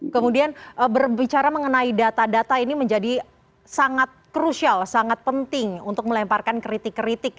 kemudian berbicara mengenai data data ini menjadi sangat crucial sangat penting untuk melemparkan kritik kritik